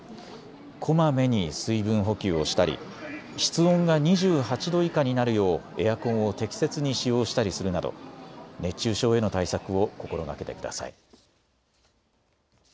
こまめに水分補給をしたり室温が２８度以下になるようエアコンを適切に使用したりするなど熱中症への対策を心がけてください。